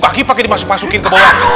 kaki pakai dimasuk masukin ke bawah